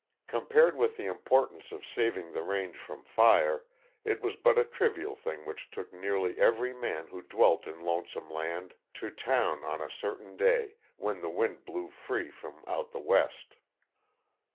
Compared with the importance of saving the range from fire, it was but a trivial thing which took nearly every man who dwelt in Lonesome Land to town on a certain day when the wind blew free from out the west.